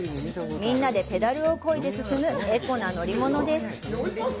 みんなでペダルをこいで進むエコな乗り物です。